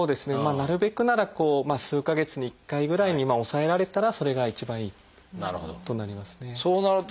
なるべくなら数か月に１回ぐらいに抑えられたらそれが一番いいとなるほど。